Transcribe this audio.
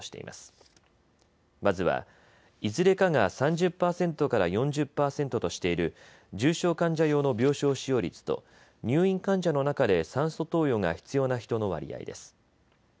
まずはいずれかが３０％から４０％としている重症患者用の病床使用率と、入院患者の中で酸素投与が必要な人の割合です。